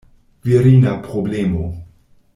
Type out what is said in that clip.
Virina problemo!